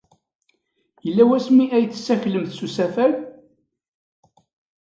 Yella wasmi ay tessaklemt s usafag?